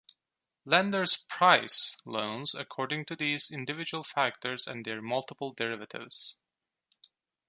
Lenders 'price' loans according to these individual factors and their multiple derivatives.